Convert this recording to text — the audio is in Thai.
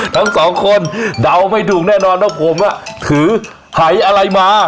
ทั้งสองคนเดาไม่ถูกแน่นอนว่าผมถือไขอะไรมา